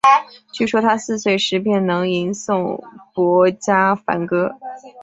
据说他四岁时便能吟诵薄伽梵歌。